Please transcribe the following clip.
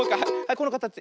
このかたち。